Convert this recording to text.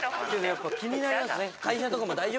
やっぱ気になりますね。